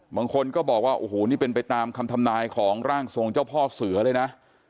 บางคนก็บอกว่าโอ้โหนี่เป็นไปตามคำทำนายของร่างทรงเจ้าพ่อเสือเลยนะ